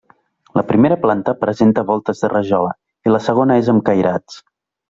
La primera planta presenta voltes de rajola i la segona és amb cairats.